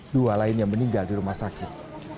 dua lain yang meninggal di rumah sakit